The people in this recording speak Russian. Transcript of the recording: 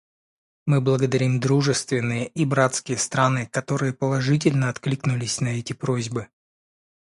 Мы благодарим дружественные и братские страны, которые положительно откликнулись на эти просьбы.